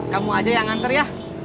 kamu aja yang nganter ya